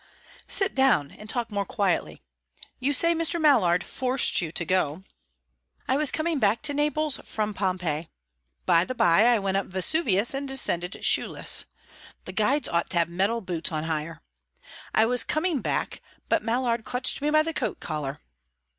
"Sit down, and talk more quietly. You say Mr. Mallard forced you to go?" "I was coming back to Naples from Pompeii. By the bye, I went up Vesuvius, and descended shoeless. The guides ought to have metal boots on hire. I was coming back, but Mallard clutched me by the coat collar.